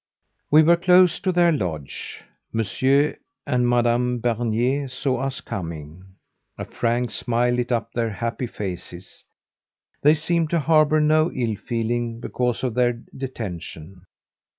We were close to their lodge. Monsieur and Madame Bernier saw us coming. A frank smile lit up their happy faces. They seemed to harbour no ill feeling because of their detention.